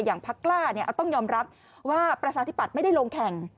พักกล้าต้องยอมรับว่าประชาธิปัตย์ไม่ได้ลงแข่ง